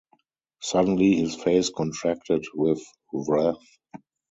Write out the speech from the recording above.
Suddenly his face contracted with wrath.